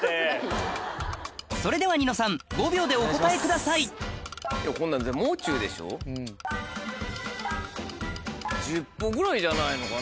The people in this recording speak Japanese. それではニノさん５秒でお答えくださいぐらいじゃないのかな。